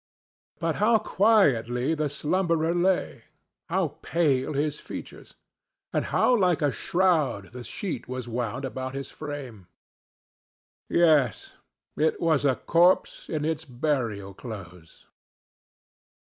But how quietly the slumberer lay! how pale his features! And how like a shroud the sheet was wound about his frame! Yes, it was a corpse in its burial clothes.